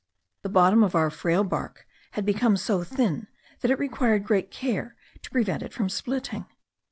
The bottom of our frail bark had become so thin that it required great care to prevent it from splitting.